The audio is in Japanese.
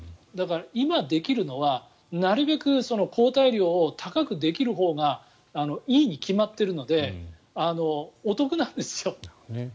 だから、今できるのはなるべく抗体量を高くできるほうがいいに決まっているのでお得なんですよ。